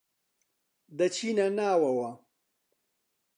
دەچینە ناوەوە.